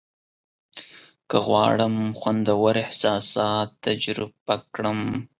که غواړم خوندور احساسات تجربه کړم.